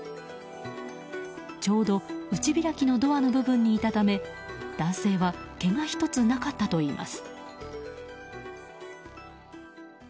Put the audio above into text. ちょうど内開きのドアの部分にいたため男性はけがひとつなかったといいます。